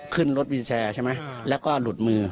ขึ้นรถวิวแชร์ใช่ไหมแล้วก็หลุดมือ